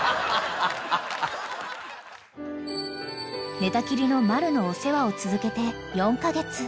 ［寝たきりのマルのお世話を続けて４カ月］